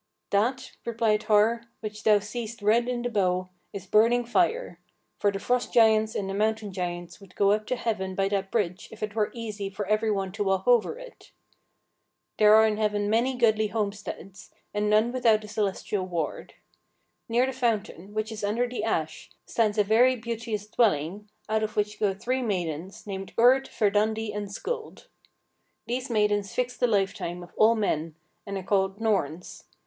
"That," replied Har, "which thou seest red in the bow, is burning fire; for the Frost giants and the Mountain giants would go up to heaven by that bridge if it were easy for every one to walk over it. There are in heaven many goodly homesteads, and none without a celestial ward. Near the fountain, which is under the ash, stands a very beauteous dwelling, out of which go three maidens, named Urd, Verdandi, and Skuld. These maidens fix the lifetime of all men, and are called Norns.